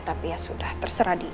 tapi ya sudah terserah di